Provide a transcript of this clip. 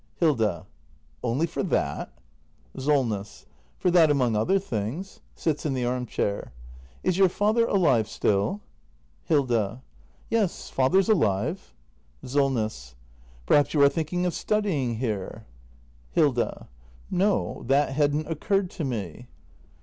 Hilda. Only for that ? SOLNESS. For that among other things. [Sits in the arm chair.] Is your father alive still ? Hilda. Yes, father's alive. SOLNESS. Perhaps you are thinking of studying here? Hilda. No, that hadn't occurred to me.